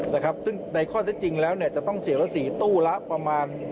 ซึ่งในข้อจริงแล้วจะต้องเสียภาษีตู้ละประมาณ